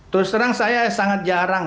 terus terang saya sangat jarang